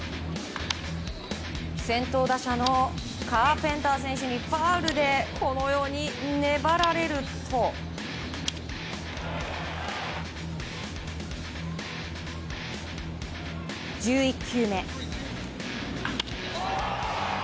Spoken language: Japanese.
先頭打者のカーペンター選手にファウルで粘られると１１球目。